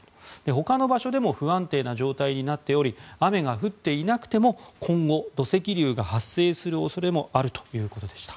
ほかの場所でも不安定な状態になっており雨が降っていなくても今後、土石流が発生する恐れもあるということでした。